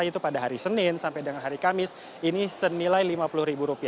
yaitu pada hari senin sampai dengan hari kamis ini senilai rp lima puluh